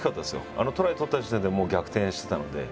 あのトライ取った時点でもう逆転してたので。